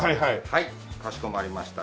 はいかしこまりました。